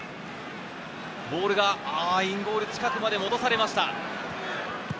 ボールがインゴール近くまで落とされました。